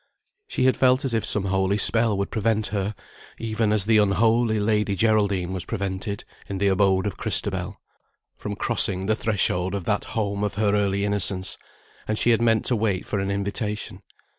She had felt as if some holy spell would prevent her (even as the unholy Lady Geraldine was prevented, in the abode of Christabel) from crossing the threshold of that home of her early innocence; and she had meant to wait for an invitation.